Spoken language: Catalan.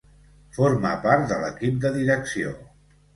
Forma part de l'equip de direcció.